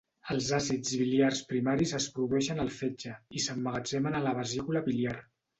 Els àcids biliars primaris es produeixen al fetge i s'emmagatzemen a la vesícula biliar.